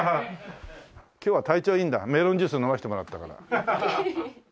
今日は体調いいんだメロンジュース飲ませてもらったから。